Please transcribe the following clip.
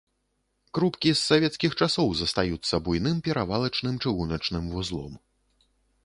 Крупкі з савецкіх часоў застаюцца буйным перавалачным чыгуначным вузлом.